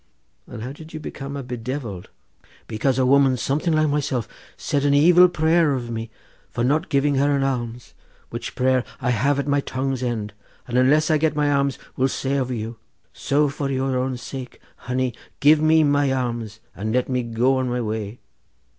"And how did you become bedevilled?" "Because a woman something like myself said an evil prayer over me for not giving her an alms, which prayer I have at my tongue's end, and unless I get my alms will say over you. So for your own sake, honey, give me my alms, and let me go on my way."